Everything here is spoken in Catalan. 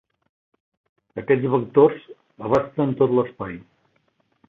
Aquests vectors abasten tot l'espai.